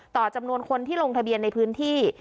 จำนวนคนที่ลงทะเบียนในพื้นที่